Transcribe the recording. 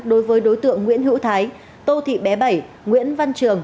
đối với đối tượng nguyễn hữu thái tô thị bé bảy nguyễn văn trường